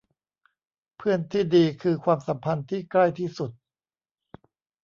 เพื่อนที่ดีคือความสัมพันธ์ที่ใกล้ที่สุด